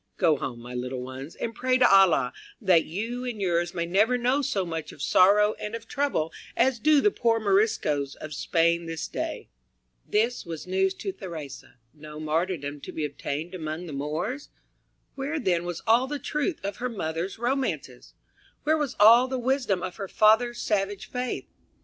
Go home, my little ones, and pray to Allah that you and yours may never know so much of sorrow and of trouble as do the poor Moriscoes of Spain this day." This was news to Theresa. No martyrdom to be obtained among the Moors? Where then was all the truth of her mother's romances, where was all the wisdom of her father's savage faith?